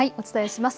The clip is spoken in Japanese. お伝えします。